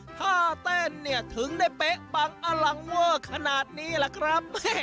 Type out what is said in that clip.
ถ้าเต้นเนี่ยถึงได้เป๊ะปังอลังเวอร์ขนาดนี้ล่ะครับ